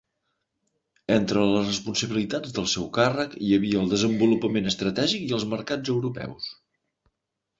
Entre les responsabilitats del seu càrrec hi havia el desenvolupament estratègic i els mercats europeus.